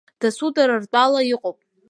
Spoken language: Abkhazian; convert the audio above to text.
Дасу дара ртәала иҟоуп!